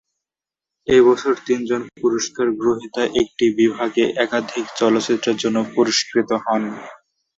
এ বছর তিনজন পুরস্কার গ্রহীতা একটি বিভাগে একাধিক চলচ্চিত্রের জন্য পুরস্কৃত হন।